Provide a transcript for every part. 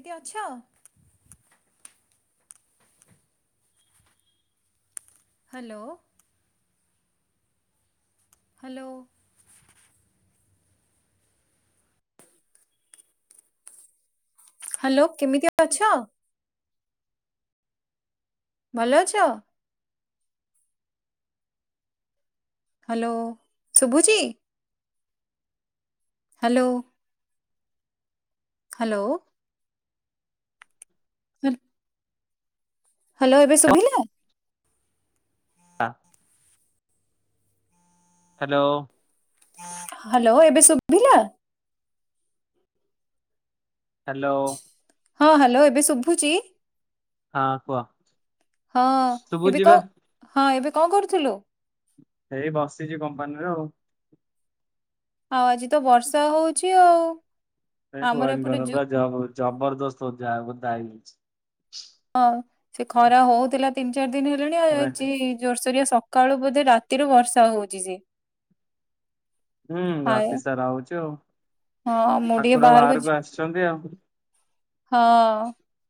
କିଏ ଅଛ? Hello. Hello. Hello କେମିତି ଅଛ? ଭଲ ଅଛ? ହ୍ୟାଲୋ ଶଭୁଛି? ହ୍ୟାଲୋ। ହ୍ୟାଲୋ। [unintelligible] ହ୍ୟାଲୋ ଏବେ ଶୁଭିଲା? ହଁ। ହ୍ୟାଲୋ। ହ୍ୟାଲୋ ଏବେ ଶୁଭିଲା? ହ୍ୟାଲୋ। ହଁ ହ୍ୟାଲୋ ଏବେ ଶୁଭୁଛି? ହଁ କୁହ? ହଁ ଏବେ ଶୁଭୁଚି ବା କଣ ହଁ ଏବେ କଣ କରୁଥିଲୁ? ଏଇ ବସିଛି କମ୍ପାନୀର ଆଉ। ଆଉ ଆଜି ତ ବର୍ଷା ହଉଚି ଆଉ। ଆମର ଏପଟେ ଯୋ [unintelligible] ଜବରଦସ୍ତ [unintelligible] ହଁ ସେ ଖରା ହଉଥିଲା ତିନି ଚାରି ଦିନି ହେଲାଣି ଆଜି ଜୋରସୋରିଆ ସକାଳୁ ବୋଧେ ରାତିରେ ବର୍ଷା ହଉଚି ଯେ ହୁଁ ଆଏ ରାତି ସାରା ହୋଉଛି ଆଉ ହଁ ମୁଁ ଟିକେ ଠାକୁର ବାହାରକୁ ଆସିଛନ୍ତି ଆଉ। ହଁ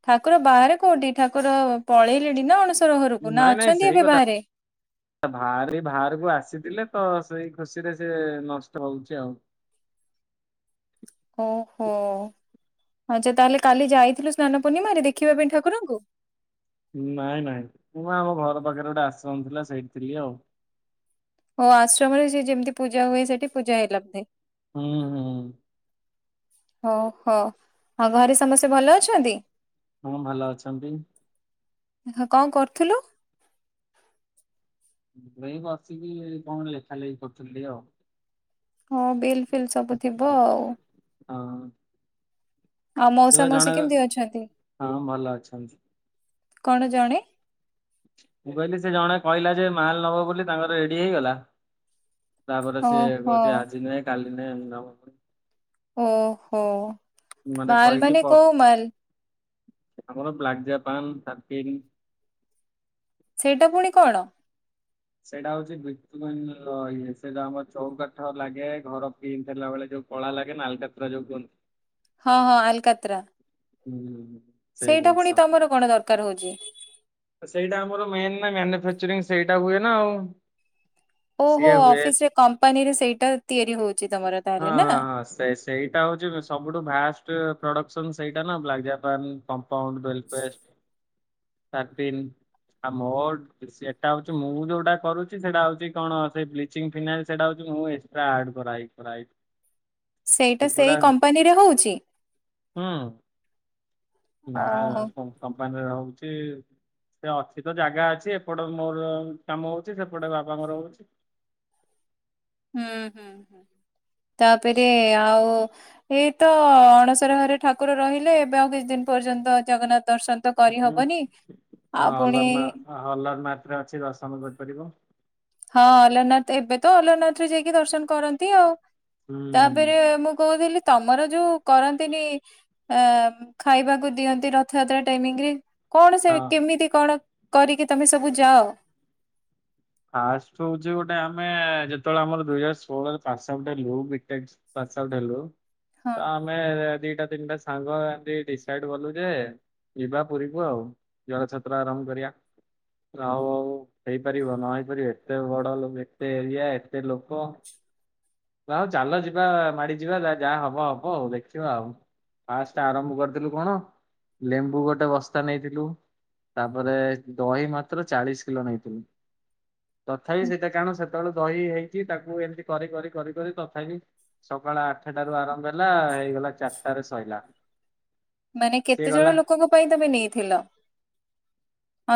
ଠାକୁର ବାହାରେ କୋଉଠି ଠାକୁର ପଳେଇଲେଣି ନା ଅଣ ସର ଘରକୁ ନା ଅଛନ୍ତି ଏବେ ବାହାରେ? ବାହାରି ବାହାରକୁ ଆସିଥିଲେ ତ ସେଇ ଖୁସିରେ ସେ ନଷ୍ଟ୍ ହଉଛି ଆଉ। ଓହୋ ଆଚ୍ଛା ତାହେଲେ କାଲି ଯାଇଥିଲୁ ସ୍ନାନ ପୂର୍ଣ୍ଣିମାରେ ଦେଖିବା ପାଇଁ ଠାକୁରଙ୍କୁ? ନାଇଁ ନାଇଁ ମୁଁ ଆମ ଘର ପାଖରେ ଗୋଟେ ଆଶ୍ରମ ଥିଲା ସେଇଠି ଥିଲି ଆଉ। ଓ ଆଶ୍ରମରେ ସେ ଯେମିତି ପୂଜା ହୁଏ ସେଠି ପୂଜା ହେଲା ବୋଧେ। ହୁଁ। ହୁଁ ଓହୋ ଆଉ ଘରେ ସମସ୍ତେ ଭଲ ଅଛନ୍ତି? ହଁ ଭଲ ଅଛନ୍ତି। କଣ କରୁଥିଲୁ? ଏଇ ବସିକି କଣ ଲେଖା ଲେଖି କରୁଥିଲି ଟିକେ ଆଉ। ହଁ ବିଲ୍ ଫିଲ୍ ସବୁ ଥିବ ଆଉ। ହଁ। ଆଉ ସେ ମଉସା ବା ମଉସୀ ଜଣେ କେମିତି ଅଛନ୍ତି ହଁ ଭଲ ଅଛନ୍ତି। କଣ ଜଣେ? ମୁଁ କହିଲି ସେ ଜଣେ କହିଲା ଯେ ମାଲ ନବ ବୋଲି ତାଙ୍କର ରେଡି ହେଇଗଲା। ତାପରେ ସିଏ ଓହୋ କହୁଛି ଆଜି ନୁହେଁ କାଲି ନୁହେଁ ଏମିତି [unintelligible] ଓହୋ ମାନେ ମାଲ କହିକି ମାନେ ପ କୋଉ ମାଲ? ଆମର ବ୍ଲାଗଜା ପାନ୍ [unintelligible] ସେଇଟା ପୁଣି କଣ? ସେଇଟା ହଉଛି ବି ମାନେ ସେ ଯ ଆମର ଚଉ କାଠ ଲାଗେ ଘର ପିଣ୍ଟିହେଲା ବେଳେ ଯୋଉ କଳା ଲାଗେ ଆଲକାତ୍ରା ଯଉ କୁହନ୍ତି ହଁ ହଁ ଆଲକାତ୍ରା। ହୁଁ ହୁଁ ହୁଁ। ସେଇଟା ପୁଣି ତମର କଣ ଦରକାର ହଉଛି? ସେଇଟା ଆମର ମେନ ନା ମାନୁଫାଚରିଙ୍ଗ ସେଇଟା ହୁଏ ନା ଆଉ। ଓହୋ ସିଏ ହୁଏ। ଅଫିସ ରେ କମ୍ପାନୀ ରେ ସେଇଟା ତିଆରି ହଉଛି ତମର ହଁ ତାହେଲେ ନା। ହଁ ହଁ ସେସ୍। ସେଇଟା ହଉଛି ସବୁଠୁ ଫାଷ୍ଟ ପ୍ରଡକ୍ସନ ସେଇଟା ନା। ବ୍ଲାକ୍ଜାପାନ, କମ୍ପାଉଣ୍ଡ, ଭେଲ୍ଭେଟ୍ ତାଟିନି ଆ ମୋ ସେଟା ହଉଛି ମୁଁ ଯୋଉଟା କରୁଛି ସେଇଟା ହଉଛି କଣ ସେଇ ବ୍ଲି ଚିଂ ଫିନାଇଲ ସେଇଟା ଏଷ୍ଟା ଆଡ କରାହେଇକି କରାହେଇଛି। ସେଇଟା ସେଇ ଏଗୁଡ଼ା କମ୍ପାନୀରେ ହଉଛି? ହୁଁ। ନା ଓହୋ କମ୍ପା କମ୍ପାନୀର ହଉଛି। ସେ ଅଛି ତ ଜାଗା ଅଛି, ଏପଟ ମୋର କାମ ହଉଛି ସେପଟେ ବାପା ଙ୍କର ହଉଛି। ହୁଁ ହୁଁ ହୁଁ ତାପରେ ଆଉ ଏଇ ତ ଅଣସର ଘରେ ଠାକୁର ରହିଲେ, ଏବେ ଆଉ କିଛି ଦିନ ପର୍ଯ୍ୟନ୍ତ ଜଗନ୍ନାଥ ଦର୍ଶନ ତ ହୁଁ କରିହବନି, ଆଉ ପୁଣି ହଲାର ନାଥରେ ଅଛି ଦର୍ଶନ କରିପାରିବ। ହଁ ଅଲରନାଥ, ଏବେ ତ ଅଲାରନାଥରେ ଯାଇକି ଦର୍ଶନ କରନ୍ତି ଆଉ। ହୁଁ ତା ତାପରେ ମୁଁ କହୁଥିଲି, ତମର ଯୋଉ କରନ୍ତିନି ଅ ଖାଇବାକୁ ଦିଅନ୍ତି ରଥଯାତ୍ରା ଟାଇମିଂରେ। କଣ ସେ ହଁ କେମିତି କଣ କରିକି ତମେ ସବୁ ଯାଅ? ଫାଷ୍ଟ ହଉଛି ଗୁଟେ ଆମେ ଯେତେବେଳେ ଆମର ଦୁଇ ହଜାର ଷୋହଳରେ ପାସଆଉଟ ହେଲୁ ବିଟେକ୍ ପାସଆଉଟ ହେଲୁ, ହଁ ତ ଆମେ ଦିଟା ତିନିଟା ସାଙ୍ଗ ଏମିତ୍ ଡିସାଇଡି କଲୁ ଯେ ଯିବା ପୁରୀକୁ ଆଉ, ଜର ଛତ୍ର ଆରମ୍ଭ କରିବା। ଆଉ ଆଉ ହେଇପାରିବ ନ ହେଇପାରିବ, ଏତେ ବଡ ଏତେ ଏରିଆ ଏତେ ଲୋକ। ଆଉ ଚାଲ ଯିବା ମାଡି ଯିବା ଯ ଯାହା ହବ ହବ ଆଉ ଦେଖିବା ଆଉ। ଫାଷ୍ଟ ଆରମ୍ଭ କରିଥିଲୁ କଣ ଲେମ୍ବୁ ଗୋଟେ ବସ୍ତା ନେଇଥିଲୁ। ତାପରେ ଦହି ମାତ୍ର ଚାଳିଶ କିଲୋ ନେଇଥିଲୁ। ତଥାପି ହୁଁ, ସେଇଟା କାରଣ ସେତେବେଳେ ଦହି ହେଇଛି ତାକୁ ଏମିତି କରି କରି କରି କରି ତଥାପି ସକାଳ ଆଠଟାରୁ ଆରମ୍ଭ ହେଲା ହେଇଗଲା ଚାରିଟାରେ ସରିଲା। ମାନେ କେତେ ଜଣ ଲୋକଙ୍କ ପାଇଁ ତମେ ନେଇଥିଲ,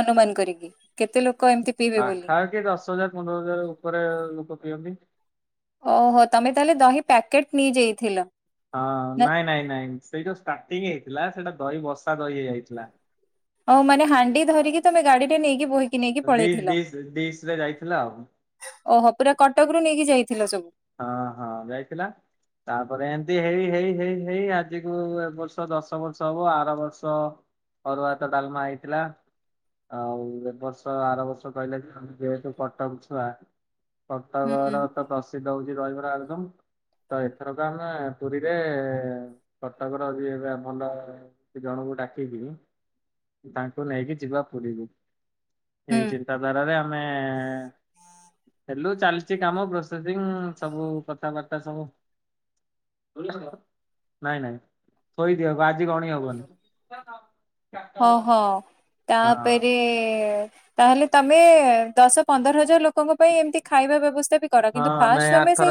ଅନୁମାନ କରିକି? କେତେ ଲୋକ ଏମିତି ପିଇବେ ବୋଲି? କେ ଦଶହଜାର ପନ୍ଦର ହଜାର ଉପରେ ଲୋକ ପିଅନ୍ତି। ଓହୋ ତମେ ତାହେଲେ ଦହି ପ୍ୟାକେଟ ନେଇଯାଇଥିଲ? ହଁ ନା? ନାଇଁ ନାଇଁ ନାଇଁ ସେଇ ଯୋଉ ଷ୍ଟାଟିଙ୍ଗ ହେଇଥିଲା ସେଇଟା ଦହି ବର୍ଷା ଦହି ହେଇଯାଇଥିଲା। ହଉ ମାନେ ହାଣ୍ଡି ଧରିକି ତମେ ଗାଡିରେ ନେଇକି ବୋହିକି ନେଇକି ଡିସ୍ ପଳେଇଥିଲ। ଡିସ୍ ଡିସ୍ ରେ ଯାଇଥିଲା ଆଉ ଓହୋ ପୁରା କଟକରୁୁ ନେଇକି ଯାଇଥିଲ ସବୁ? ହଁ ହଁ, ଯାଇଥିଲା। ତାପରେ ଏମତି ହେଇ ହେଇ ହେଇ ହେଇ ଆଜିକୁ ଏ ବର୍ଷ ଦଶ ବର୍ଷ ହବ ଆର ବର୍ଷ। ଅରୁଆ ଭାତ ଡଲମା ହେଇଥିଲା। ଆଉ ଏ ବର୍ଷ ଆର ବର୍ଷ କହିଲେ ଯେ ଆମେ ଯେହେତୁ କଟକ ଛୁଆ। ହୁଁ କଟକର ତ ପ୍ରସିଦ୍ଧ ହଉଛି ଦହିବରା ଆଳୁଦମ୍। ତ ଏଥରକ ଆମେ ପୁରୀରେ କଟକର ହଉଚି ଏବେ ଆ ଭଲ। ସେ ଜଣଙ୍କୁ ଡାକିକି ତାଙ୍କୁ ନେଇକି ଯିବା ପୁରୀକୁ। ଏଇ ହୁଁ ଚିନ୍ତାଧାରାରେ ଆମେ ହେଲୁ ଚାଲଚି କାମ ପ୍ରୋ ସେସିଙ୍ଗ ସବୁ କଥାବାର୍ତା ସବୁ। ନାଇଁ ନାଇଁ ଥୋଇଦିଅ ବା ଆଜି ଗଣି ହବନି। ଅହ ହଁ ତାପେରେ ତାହେଲେ ତମେ ଦଶ ପନ୍ଦର ହଜାର ଲୋକଙ୍କ ପାଇଁ ଏମତି ଖାଇବା ବ୍ୟବସ୍ଥା। ବି କର କିନ୍ତୁ ହଁ ଫାଷ୍ଟ ନାଇଁ ତମେ ସେଇ ଆରଥର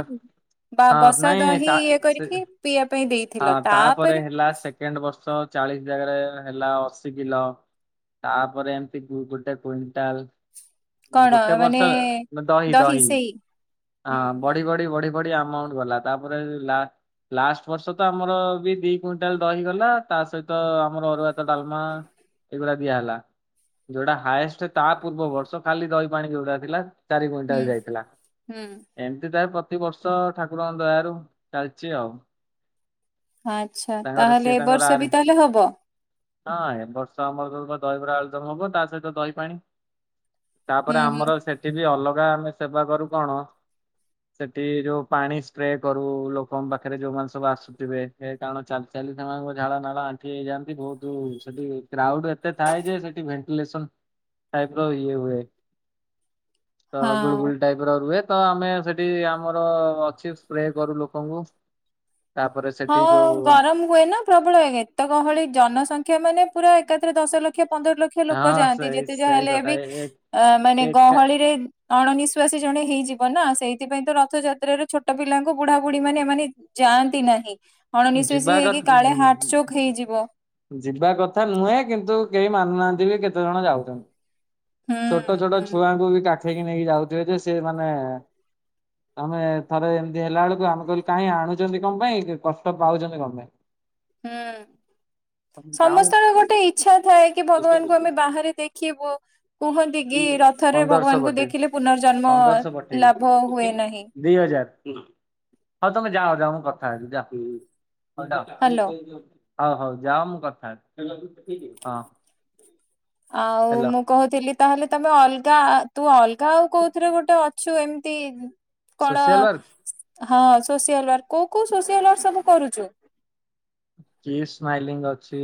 ବା ହଁ ବସା ନାଇଁ ଦହି ତା ଇଏ ସେ କରିକି। ପିଇବା ପାଇଁ ହଁ ଦେଇଥିଲା ତାପରେ ତାପେରେ। ହେଲା ସେକେଣ୍ଡ ବର୍ଷ ଚାଳିଶ ଜାଗାରେ ହେଲା ଅଶି କିଲ। ତାପରେ ଏମତି ଗୁ ଗୋଟେ କୁଇଣ୍ଟାଲ୍। କଣ ଗୋଟେ ମାନେ ବର୍ଷ ଦହି ଦହି ହଁ ହୁଁ ହୁଁ। ବଢି ବଢି ବଢି। ବଢ଼ି ଆମାଉଣ୍ଟ ଗଲା ତାପରେ ଲା ଲାଷ୍ଟ। ବର୍ଷ ତ ଆମର ବି ଦି କୁଇଣ୍ଟାଲ୍ ଦହି ଗଲା ତା ସହିତ ଆମର ଅରୁଆଭାତ ଡାଲମା। ଏଇଗୁଡା ଦିଆହେଲା ଯୋଉଟା ହାଏଷ୍ଟ ତା ପୂର୍ବ ବର୍ଷ ଖାଲି ଦହି ପାଣି ଯଉଟା ଥିଲା। ଚାରି ହୁଁ କୁଇଣ୍ଟାଲ୍ ଯାଇଥିଲା। ହୁଁ ଏମତି ତାରେ ପ୍ରତିିବର୍ଷ ଠାକୁରଙ୍କ ଦୟାରୁ ଚାଲଛି ଆଉ। ଆଚ୍ଛା ତାଙ୍କର ସିଏ ତାହେଲେ ଏ ତାଙ୍କର ବର୍ଷ ଆରେ ବି ତାହେଲେ ହବ? ହଁ ଏ ବର୍ଷ ଆମର ସବୁ ତ ଦହିବରା ଆଳୁଦମ୍ ହବ ତା ସହିତ ଦହି ପାଣି। ହୁଁ ତାପରେ ହୁଁ ଆମର ସେଠି ବି ଅଲଗା ଆମେ ସେବା କରୁ କଣ। ସେଠି ଯୋଉ ପାଣି ସ୍ପ୍ରେ କରୁ ଲୋକଙ୍କ ପାଖେରେ ଯୋଉମାନେ। ସବୁ ଆସୁଥିବେ ଏ କାରଣ ଚାଲି ଚାଲି ସେମାନଙ୍କ ଝାଳ ନାଳ ଆଣ୍ଠି ହେଇଯାଆନ୍ତି ବହୁତୁ ସେଠି। କ୍ରାଉଡ୍ ଏତେ ଥାଏ ଯେ ସେଠି ଭେଣ୍ଟିଲେସନ୍ ଟାଇପ୍ ର ଇଏ ହୁଏ। [inaudible] ତ ଗୁଳୁଗୁଳି ଟାଇପ୍ ର ରୁହେ ତ ଆମେ ସେଠି ଆମର ଅଛି ସ୍ପ୍ରେ କରୁ ଲୋକଙ୍କୁ। ତାପରେ ହଁ ସେଠି ଯୋଉ ଗରମ୍ ହୁଏ ନା ପ୍ରବଳେ ଏକ ତ ଗହଳି ଜନସଂଖ୍ୟା ମାନେ ପୁରା ଏକାଥରେ ଦଶ ଲକ୍ଷ। ପନ୍ଦର ଲକ୍ଷ ଲୋକ ହଁ ଯାଆନ୍ତି ସେଇ ଯେତେ ସେଇ ଯାହାହେଲେ କଥା ବି ଏ ଅ ମାନେ ଏକା ଗହଳିରେ। ଅଣନିଶ୍ୱାସୀ ଜଣେ ହେଇଯିବ ନା ସେଇଥିପାଇଁ ତ ରଥଯାତ୍ରାରେ ଛୋଟ ପିଲାଙ୍କୁ ବୁଢା ବୁଢୀ ମାନେ ଏମାନେ। ଯାଆନ୍ତି ନାହିଁ ଅଣନିଶ୍ଵାସୀ ଯିବା କ ହେଇକି କାଳେ ହାର୍ଟ ଚୋକ୍ ହେଇଯିବ। ଯିବା କଥା ନୁହେଁ କିନ୍ତୁ କେହି ମାନୁନାହାନ୍ତି ବି କେତେ ଜଣ ଯାଉଛନ୍ତ। ହୁଁ ଛୋଟ ଛୋଟ ହୁଁ ଛୁଆଙ୍କୁ ବି କାଖେଇକି ନେଇକି ଯାଉଥିବେ ଯେ ସେ ମାନେ। ଆମେ ଥରେ ଏମତି ହେଲାଉଳୁକୁ ଆମେ କହିଲୁ କାହିଁ ଆଣୁଚନ୍ତି କଣ ପାଇଁ କ ଷ୍ଟ ପାଉଛନ୍ତି କଣପାଇଁ। ହୁଁ ଯାଉଁ ସମସ୍ତଙ୍କ ଗୋଟେ ଇଚ୍ଛା ଥାଏ କି ଭଗବାନଙ୍କୁ ଆମେ ବାହାରେ ଦେ ଖିବୁ। କୁହନ୍ତି କି ରଥରେ ପନ୍ଦରଶହ ଭଗବାନଙ୍କୁ ପଠେଇ ଦେଖିଲେ ପୁନର୍ଜନ୍ମ ପନ୍ଦରଶହ ଲାଭ ହୁଏ ପଠେଇବି। ନାହିଁ। ଦି ହଜାର ହଉ ତମେ ଯାଅ ଯାଅ ମୁଁ କଥାହେବି ଯାଅ। ହ୍ୟାଲୋ। ହଉ ହଉ ଯାଅ ମୁଁ କଥାହେ ହଁ। ଆଉ ହେଲୋ। ମୁଁ। କହୁଥିଲି ତାହେଲେ ତମେ ଅଲଗା ତୁ ଅଲଗା ଆଉ କୋଉଥିରେ ଗୋଟେ ଅଛୁ ଏମତି। କଣ, ସୋସିଆଲ ୱାର୍କ ହଁ ସୋସିଆଲ ୱାର୍କ କୋଉ, କୋଉ ସୋସିଆଲ ୱାର୍କ ସବୁ କରୁଛୁ? କି ସ୍ମାଇଲିଙ୍ଗ ଅଛି।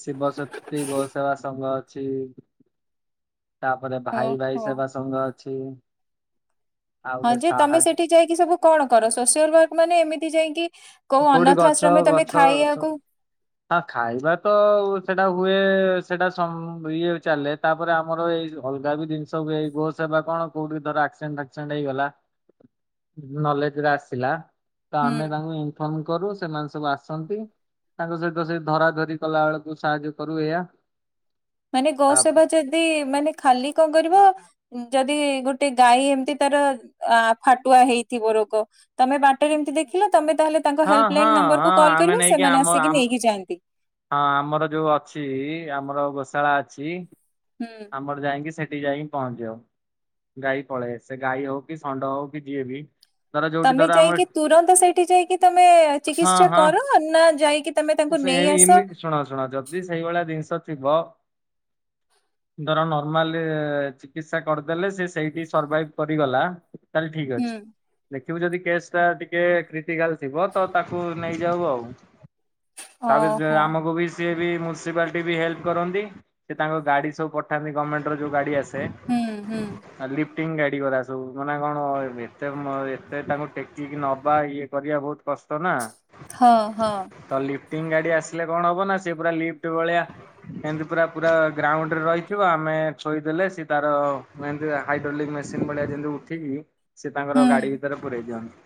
ଶିବ ଶକ୍ତି ବସ ଆ ସଂଘ ଅଛି [inaudible] ତାପରେ, ଭାଇ ଭାଇ ଓହୋ ସେବା ସଂଘ ଅଛି। ଆଉ ହଁ ଗୋଟେ ଯେ ସାହା ତମେ ସେଠି ଯାଇକି ସବୁ କଣ କର? ସୋସିଆଲର୍କ ମାନେ ଏମିତି ଯାଇକି କୋଉ କୋଉଠି ଅନାଥ ଗଛ ଆଶ୍ରମ ତମେ ଗଛ ଖାଇଆକୁ ହଁ ଖାଇବା ତ ଉ ସେଟା ହୁଏ, ସେଟା ସମ ଇଏ ଚାଲେ ତାପରେ ଆମର ଏଇ ଅଲଗା ବି ଜିନିଷ ହୁଏ। ଏଇ ଗୋ ସେବା କଣ କୋଉଠି ଧର ଆକ୍ସିଡେଣ୍ଟ, ଫାକ୍ସିଡେଣ୍ଟ ହେଇଗଲା [inaudible] ନଲେଜରେ ଆସିଲା ତ, ଆମେ ହୁଁ ତାଙ୍କୁ ଫୋନ କରୁ, ସେମାନେ ସବୁ ଆସନ୍ତି। ତାଙ୍କ ସହିତ ସେ ଧରା ଧରି କଲା ବେଳକୁ, ସାହାଯ୍ୟ କରୁ ଏଇୟା ମାନେ ଗୋ ସେବା ଯଦି, ମାନେ ଖାଲି କଣ କରିବ ଯଦି, ଗୋଟେ ଗାଈ ଏମିତି ତାର ଆ ଫାଟୁଆ ହେଇଥିବ ରୋଗ ତମେ ବାଟରେ ଏମିତି ଦେଖିଲ, ତମେ ତାହେଲେ ତାଙ୍କ ହଁ ହେଲ୍ପ ହଁ ଲାଇନ ନମ୍ବର କୁ ହଁ କଲ କର ଆମେ କରିବ। ନେଇକି ସେମାନେ ଆମ ଆସିକି ଆମ ନେଇକି ଯାଆନ୍ତି। ହଁ ଆମର ଯୋଉ ଅଛି, ଆମର ଗୋଶାଳା ଅଛି। ହୁଁ ଆମର ଯାଇକି, ସେଠି ଯାଇକି ପହଞ୍ଚିବ। ଗାଈ ପଳେଇ ଆସେ। ଗାଈ ହଉ କି, ସଣ୍ଡ ହଉ କି ଯିଏ ବି ଧର ଯୋଉଠି ତମେ ଧର ଆମର ଯାଇକି, ତୁରନ୍ତ ସେଇଠି ଯାଇକି, ତମେ ହଁ ଚିକିତ୍ସା ହଁ କର ନା? ଯାଇକି ତମେ ତାଙ୍କୁ ସେ ନେଇ ଏମ ଆସ? ଏମିତି, ଶୁଣ ଶୁଣ ଯଦି ସେଇଭଳିଆ ଜିନିଷ ଥିବ ହଁ [inaudible] ଧର ନର୍ମାଲେ ଚିକିତ୍ସା କରିଦେଲେ, ସେ ସେଇଠି ସରଭାଇଭ କରିଗଲା ତାହଲେ ଠିକ ହୁଁ ଅଛି। ଦେଖିବୁ, ଯଦି କେସ୍ ଟା ଟିକେ କ୍ରିଟିକାଲ ଥିବ, ତ ତାକୁ ନେଇ ଜାଉ ଆଉ। ତା ଭିତେରେ ଓହୋ। ଆମକୁ ବି ରିକ୍ସ! ସିଏ ବି ମ୍ୟୁନିସିପାଲିଟି ବି ହେଲ୍ପ କରନ୍ତି। ସେ ତାଙ୍କ ଗାଡି ସବୁ ପଠାନ୍ତି ଗଭର୍ଣ୍ଣମେଣ୍ଟର ଯୋଉ ଗାଡ଼ି ଆସେ ହୁଁ ହୁଁ ହାଁ ଲିଫ୍ଟିଙ୍ଗ ଗାଡ଼ି ଗୁଡାକୁ ସବୁ, ମାନେ କଣ ଏତେ ମ ଏତେ ତାଙ୍କୁ ଟେକିକି ନବା ଇଏ କରିବା ବହୁତ କଷ୍ଟ ନା! ଥ, ହଁ ତ ଲିଫ୍ଟିଙ୍ଗ ଗାଡି ଆସିଲେ କଣ ହବ ନା, ସେ ପୁରା ଲିଫ୍ଟ ଭଳିଆ ଏମିତି ପୁରା, ପୁରା ଗ୍ରାଉଣ୍ଡ ରେ ରହିଥିବ। ଆମେ ଥୋଇଦେଲେ ସିଏ ତାର ମେ ଏମିତି ହାଇଡ୍ରୋଲିକ ମେସିନ୍ ଭଳିଆ ଯେମିତି ଉଠିକି, ସେ ତାଙ୍କର ହୁଁ ଗାଡି ଭିତରେ ପୁରେଇ ଦିଅନ୍ତି।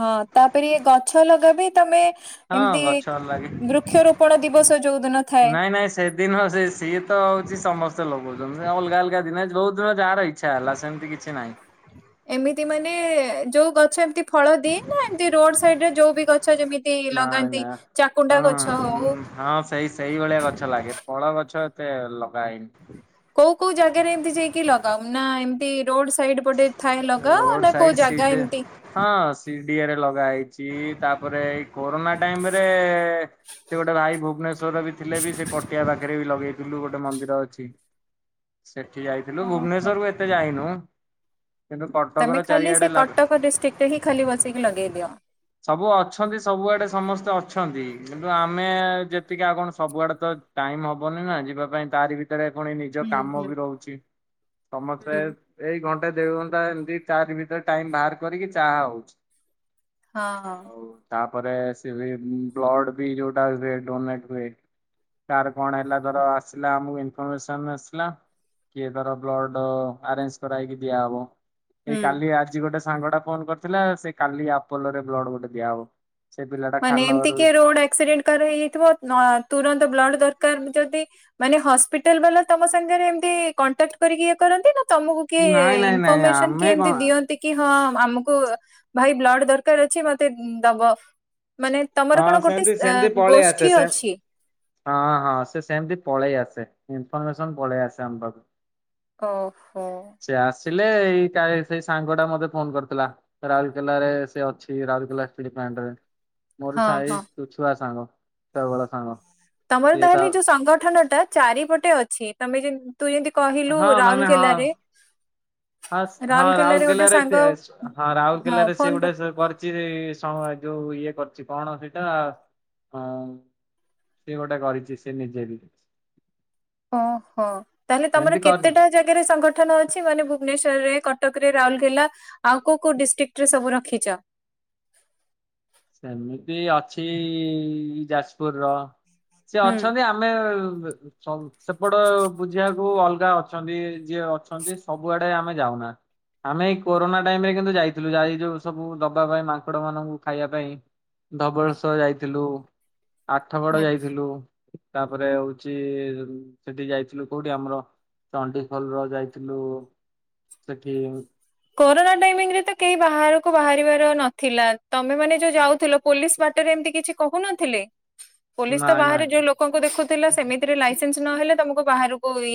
ହଁ, ତାପରେ ଏ ଗଛ ଲଗା ବିି ତମେ ହଁ ଏମିତି, ଗଛ ଲାଗେ ବୃକ୍ଷରୋପଣ ଦିବସ ଯୋଉ ଦିନ ଥାଏ ଏନାଁଇ ସେତ ଦିନ ସେ ସିଏ ତ ହେଉଛି ସମସ୍ତେ ଲଗଉଛନ୍ତି। ଅଲଗା, ଅଲଗା ଦିନେ ଯୋଉ ଦିନ ଯାହାର ଇଚ୍ଛା ହେଲା, ସେମିତି କିଛି ନାହିଁ। ଏମିତି ମାନେ, ଯୋଉ ଗଛ ଏମିତି ଫଳ ଦିଏ ନା! ଏମତି ରୋଡ ସାଇଡ ରେ ଯୋଉ ବି ଗଛ ଯେମତି ଏଇ ନା ଲଗାନ୍ତି, ନା ଚାକୁଣ୍ଡା ହଁ ଗଛ ହଉ ହଁ ସେଇ ସେଇଭଳିଆ ଗଛ ଲାଗେ। ଫଳ ଗଛ ଏତେ ଲଗା ହେଇନି। କୋଉ, କୋଉ ଜାଗାରେ ଏମତି ଯାଇକି ଲଗାଅ? ନା ଏମତି ରୋଡ ସାଇଡି ଏପଟେ ଥାଏ ଲଗାଅ? ରୋଡ ନା ସାଇଡ କୋଉ ଜାଗା ସିଡ ଏମିତି ହଁ, ସିଡିଆରେ ଲଗା ହେଇଛି। ତାପରେ ଏଇ କୋରୋନା ଟାଇମ ରେ ସେ ଗୋଟେ ଭାଇ ଭୁବନେଶ୍ୱର ବି ଥିଲେ ବି, ସେ ପଟିଆ ପାଖରେ ବି ଲଗେଇଥିଲୁ, ଗୋଟେ ମନ୍ଦିର ଅଛି। ସେଠି ଯାଇଥିଲୁ ଓହୋ ଭୁବନେଶ୍ୱର କୁ ଏତେ ଯାଇନୁ। କିନ୍ତୁ ତମେ କଟକର ଖାଲି ସେ ଚାରିଆଡେ ଲା କଟକ ଡିଷ୍ଟ୍ରିକ୍ଟ୍ ରେ ହିଁ ଖାଲି ବସିକି ଲଗେଇଦିଅ। ସବୁ ଅଛନ୍ତି ସବୁଆଡେ ସମସ୍ତେ ଅଛନ୍ତି କିନ୍ତୁ ଆମେ ଯେତିକି ଆଉ କଣ ସବୁଆଡେ ତ ଟାଇମ୍ ହବନି ନା ଯିବା ପାଇଁ ତାରି ବି ସେଣେ ପୁଣି ନିଜ ହୁଁ କାମ ହୁଁ ବି ରହୁଚି ସମସ୍ତେ ହୁଁ। ଏଇ ଘଣ୍ଟେ ଦି ଘଣ୍ଟା ଏମିତି ତାରି ଭିତରେ ଟାଇମ୍ ବାହାର କରିକି ଯା ହଉଚି। ହଁ -ହଁ। ତାପରେ ସେ ବି ବ୍ଲଡ୍ ବି ଯଉଟା ହୁଏ ଡୋନେଟ୍ ହୁଏ। କାର କଣ ହେଲା ଧର ଆସିଲା ଆମକୁ ଇନଫରମେସନ୍ ଆସିଲା କିଏ ଧର ବ୍ଲଡ ଆରେଞ୍ଜ୍ କରା ହେଇକି ଦିଆହବ। ଏଇ ହୁଁ। କାଲି ଆଜି ଗୋଟେ ସାଙ୍ଗଟା ଫୋନ୍ କରିଥିଲା ସେ କାଲି ଆପୋଲୋ ରେ ବ୍ଲଡ୍ ଗୋଟେ ଦିଆହବ। ସେ ପିଲାଟା ମାନେ ଏମିତି ଖାନନଗରରୁ କିଏ ରୋଡ୍ ଆକ୍ସିଡେଣ୍ଟ୍ କାର ହେଇଯାଇଥିବ ନ- ତୁରନ୍ତ ବ୍ଲଡ୍ ଦରକାର୍ ଯଦି ମାନେ ହସ୍ପିଟାଲ୍ ବାଲା ତମ ସାଙ୍ଗେରେ ଏମତି କଣ୍ଟାକ୍ଟ୍ କରିକି ଇଏ କରନ୍ତି ନା ତମକୁ କିଏ ନାଇଁ ନାଇଁ ନାଇଁ ଇନଫର୍ମେସନ୍ କିଏ ଆମେ ଏମତି କଣ ଦିଅନ୍ତି କି ହଁ ଆମକୁ ଭାଇ ବ୍ଲଡ୍ ଦରକାର୍ ଅଛି ମତେ ଦବ ମାନେ ତମର କଣ ହଁ ଗୋଟେ ସେମିତି ସେମିତି ପଳେଇ ଆସେ ସ୍-ଗୋଷ୍ଠୀ ସେ ଅଛି? ହଁ -ହଁ ସେ ସେମିତି ପଳେଇ ଆସେ ଇନଫର୍ମେସନ୍ ପଳେଇ ଆସେ ଆମ ପାଖକୁ। ଓହୋ। ସେ ଆସିଲେ ଏଇ କା-ସେଇ ସାଙ୍ଗଟା ମତେ ଫୋନ୍ କରିଥିଲା। ରାଉରକେଲାରେ ସେ ଅଛି ରାଉରକେଲା ଷ୍ଟିଲ୍ ପ୍ଲାଣ୍ଟ୍ ରେ। ମୋର ହଁ ସାଇ ହଁ। ଛୁଆ ସାଙ୍ଗ ଛୁଆବେଳ ସାଙ୍ଗ। ତମର ସିଏ ତା ତାହେଲେ ଯଉ ସଂଗଠନ ଟା ଚାରିପଟେ ଅଛି ତମେ ଯେ ତୁ ଯେମିତି କହିଲୁ ହଁ ମାନେ ହଁ। ରାଉଲକେଲାରେ ହଁ -ହଁ ରାଉଲକେଲା ରେ ସେ-ହଁ ହଁ ରାଉଲକେଲାରେ ଫୋନ ସେ ଗୋଟେ ସେ କରି ଚି ଯଉ ଇଏ କରିଚି କଣ ସେଇଟା ହଁ- ସିଏ ଗୋଟେ କରିଚି ସିଏ ନିଜେ ବି। ଓହୋ ତାହେଲେ ତମର ଏମିତି କରି କେତେଟା ଜାଗାରେ ସଂଗଠନ ଅଛି। ମାନେ ଭୁବନେଶ୍ଵରରେ, କଟକ ରେ, ରାଉଲକେଲା ଆଉ କଉ କଉ ଡିଷ୍ଟ୍ରିକ୍ଟ୍ ରେ ସବୁ ରଖିଚ? ସେମିତି ଅଛି ଯାଜପୁର ର ସେ ହୁଁ। ଅଛନ୍ତି ଆମ୍ ଆମେ ସମ୍ ସେପଟେ ବୁଝିବାକୁ ଅଲଗା ଅଛନ୍ତି। ଯିଏ ଅଛନ୍ତି ସବୁଆଡେ ଆମେ ଯାଉନା। ଆମେ ଏଇ କୋରୋନା ଟାଇମ୍ ରେ କିନ୍ତୁ ଯାଇଥିଲୁ। ଯାଇ ଯଉ ସବୁ ଦବା ପାଇଁ ମାଙ୍କଡ ମାନଙ୍କୁ ଖାଇବା ପା ପାଇଁ ଧବଳେଶ୍ଵର ଯାଇଥିଲୁ, ଆଠଗଡ ଯାଇଥିଲୁ ତାପରେ ହଉଚି ସେଠି ଯାଇଥିଲୁ କଉଠି ଆମର ଚଣ୍ଡିଖୋଲ ର ଯାଇଥିଲୁ ସେଠି କୋରୋନା ଟାଇମିଙ୍ଗ୍ ରେ ତ କେହି ବାହାରକୁ ବାହାରିବାର ନଥିଲା ତମେ ମାନେ ଯଉ ଯାଉଥିଲ ପୋଲିସ୍ ବାଟରେ ଏମିତି କିଛି କହୁ ନଥିଲେ? ପୋଲିସ୍ ତ ନାଇଁ ବାହାରେ ନାଇଁ ଯେଉଁ ଲୋକଙ୍କୁ ଦେଖୁଥିଲା ସେମିତିରେ ଲାଇସେନ୍ସ୍ ନହେଲେ ତମକୁ ବାହାରକୁ ଇଏ